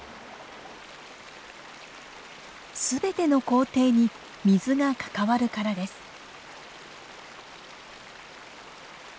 すべての工程に水が関わるからです。